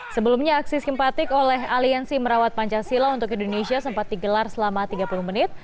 sebelumnya aksi simpatik oleh aliansi merawat pancasila untuk indonesia sempat digelar selama tiga puluh menit